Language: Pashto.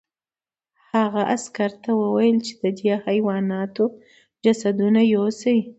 هغه عسکر ته وویل چې د دې حیواناتو جسدونه یوسي